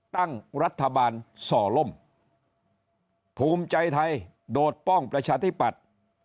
ตั้งรัฐบาลส่อล่มภูมิใจไทยโดดป้องประชาธิปัตย์